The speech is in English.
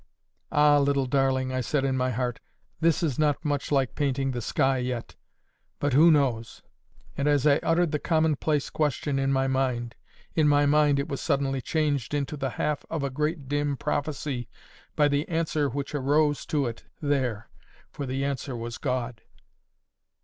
"Ah, little darling!" I said in my heart, "this is not much like painting the sky yet. But who knows?" And as I uttered the commonplace question in my mind, in my mind it was suddenly changed into the half of a great dim prophecy by the answer which arose to it there, for the answer was "God."